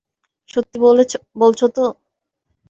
সত্যি বলছো তো?